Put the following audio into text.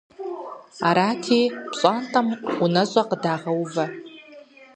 Арати, пщӀантӀэм унэщӀэ къыдагъэувэ.